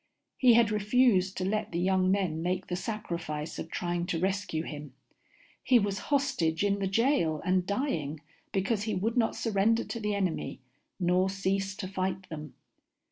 He had refused to let the young men make the sacrifice of trying to rescue him. He was hostage in the jail and dying, because he would not surrender to the enemy nor cease to fight them.